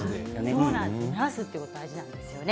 蒸らすということが大事なんですよね。